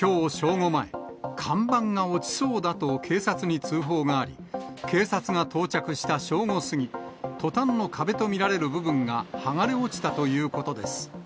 午前、看板が落ちそうだと警察に通報があり、警察が到着した正午過ぎ、トタンの壁と見られる部分が剥がれ落ちたということです。